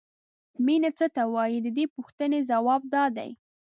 مینه څه ته وایي د دې پوښتنې ځواب دا دی.